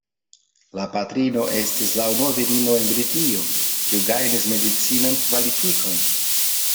La patrino estis la unua virino en Britio kiu gajnis medicinan kvalifikon.